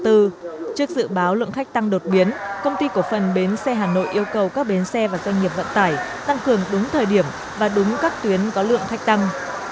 trước dự báo lượng khách tăng đột biến công ty cổ phần bến xe hà nội yêu cầu các bến xe và doanh nghiệp vận tải tăng cường đúng thời điểm và đúng các tuyến có lượng khách tăng